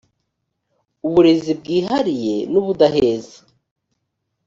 uburezi bwihariye n ubudaheza